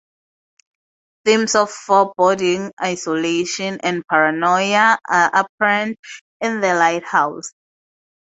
Themes of foreboding, isolation and paranoia are apparent in "The Light-House".